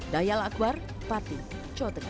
dayal akbar pati jawa tengah